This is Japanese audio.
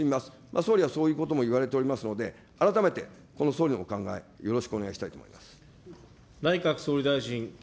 総理はそういうことも言われておりますので、改めて総理のお考え、よろしくお願いしたいと思います。